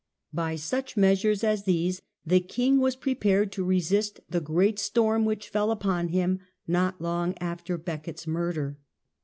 By such measures as these the king was prepared to resist the great storm which fell upon him not long after Becket's murder.